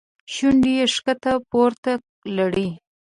شونډې یې ښکته او پورته لاړې.